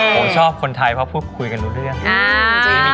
ผมชอบคนไทยเพราะพูดคุยกันรู้เรื่อง